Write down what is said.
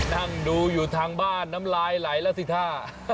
นั่งดูอยู่ทางบ้านน้ำลายไหลแล้วสิท่า